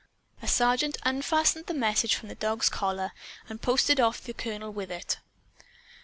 A sergeant unfastened the message from the dog's collar and posted off to the colonel with it.